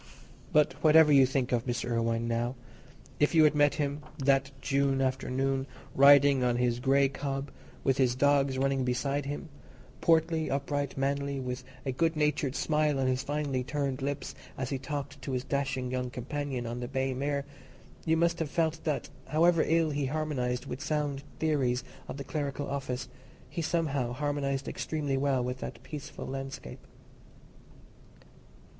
But whatever you may think of Mr. Irwine now, if you had met him that June afternoon riding on his grey cob, with his dogs running beside him—portly, upright, manly, with a good natured smile on his finely turned lips as he talked to his dashing young companion on the bay mare, you must have felt that, however ill he harmonized with sound theories of the clerical office, he somehow harmonized extremely well with that peaceful landscape.